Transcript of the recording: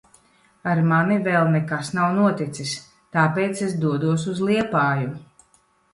Ar mani vēl nekas nav noticis. Tāpēc es dodos uz Liepāju.